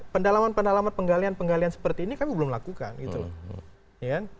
pendalaman pendalaman penggalian penggalian seperti ini kami belum lakukan